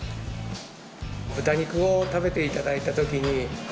豚肉を食べていただいたときに。